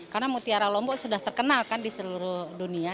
karena mutiara lombok sudah terkenalkan di seluruh dunia